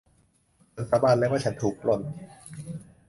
ฉันสาบานเลยว่าฉันถูกปล้น